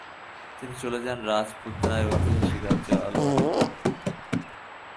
তিনি চলে যান রাজপুতানার ঐতিহাসিক রাজ্য আলোয়ারে।